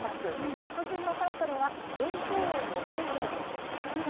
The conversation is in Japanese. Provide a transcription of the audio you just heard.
作品のタイトルは、現金を持ち逃げです。